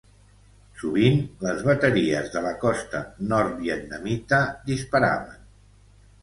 Sovint, les bateries de la costa nord vietnamita disparaven.